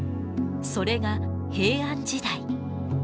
それが平安時代。